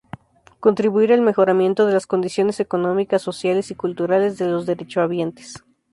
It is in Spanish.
Contribuir al mejoramiento de las condiciones económicas, sociales y culturales de los derechohabientes.